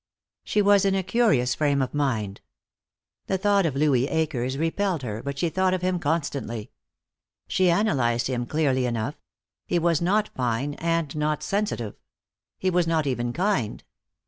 She was in a curious frame of mind. The thought of Louis Akers repelled her, but she thought of him constantly. She analyzed him clearly enough; he was not fine and not sensitive. He was not even kind.